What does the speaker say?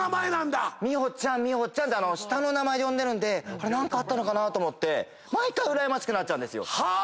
ミホちゃんって下の名前で呼んでるんで何かあったのかなと思って毎回うらやましくなっちゃう。